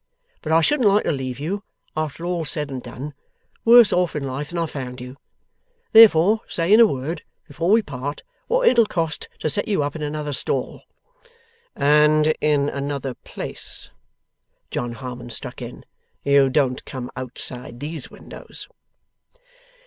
But I shouldn't like to leave you, after all said and done, worse off in life than I found you. Therefore say in a word, before we part, what it'll cost to set you up in another stall.' 'And in another place,' John Harmon struck in. 'You don't come outside these windows.